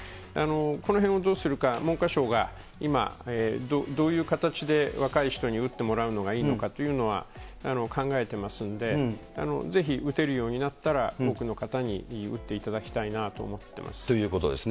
このへんをどうするか、文科省が今、どういう形で若い人に打ってもらうのがいいのかというのは、考えてますんで、ぜひ打てるようになったら、多くの方に打っていということですね。